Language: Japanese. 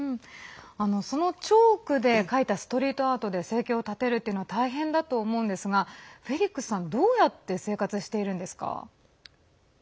そのチョークで描いたストリートアートで生計を立てるのは大変だと思うんですがフェリックスさんどうやって生活してるんですか？